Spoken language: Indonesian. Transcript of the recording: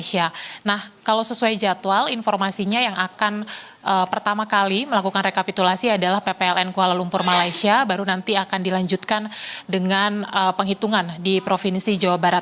yang terbaru adalah ppln kuala lumpur malaysia baru nanti akan dilanjutkan dengan penghitungan di provinsi jawa barat